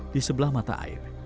di sebelah mata air